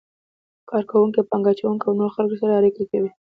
کار کوونکو، پانګه اچونکو او نورو خلکو سره په اړیکه کې وي.